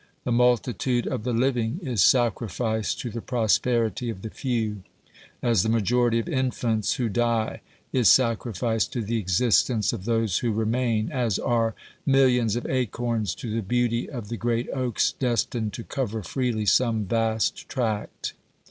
The multitude of the living is sacrificed to the prosperity of the few, as the majority of infants who die is sacrificed to the existence of those who remain, as are millions of acorns to the beauty of the great oaks destined to cover freely some vast tract.